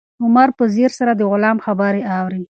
عمر په ځیر سره د غلام خبرې اوري.